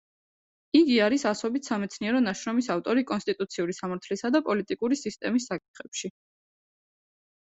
იგი არის ასობით სამეცნიერო ნაშრომის ავტორი კონსტიტუციური სამართლისა და პოლიტიკური სისტემის საკითხებში.